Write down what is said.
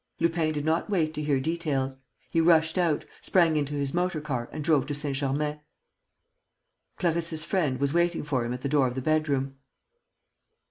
Lupin did not wait to hear details. He rushed out, sprang into his motor car and drove to Saint Germain. Clarisse's friend was waiting for him at the door of the bedroom.